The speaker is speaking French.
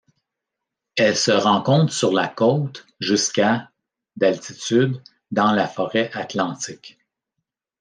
Elle se rencontre sur la côte jusqu'à d'altitude dans la forêt atlantique.